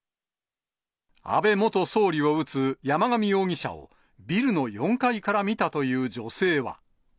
安倍元総理を撃つ山上容疑者を、ビルの４階から見たという女性は。